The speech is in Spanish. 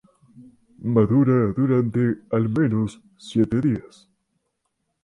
Madura durante, al menos, siete días.